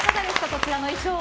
こちらの衣装。